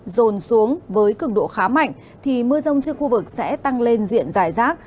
rồn xuống với cực độ khá mạnh thì mưa rông trên khu vực sẽ tăng lên diện dài rác